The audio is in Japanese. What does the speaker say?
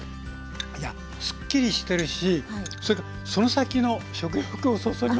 いやすっきりしてるしそれからその先の食欲をそそりますよね。